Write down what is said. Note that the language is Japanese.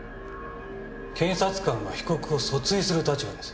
検察官は被告を訴追する立場です。